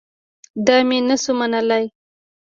دا مې نه سو منلاى.